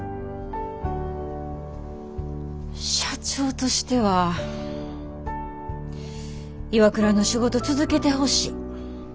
社長としてはＩＷＡＫＵＲＡの仕事続けてほしい。